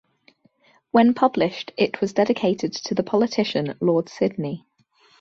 When published it was dedicated to the politician Lord Sydney.